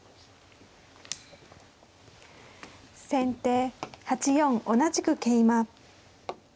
先手８四同じく桂馬。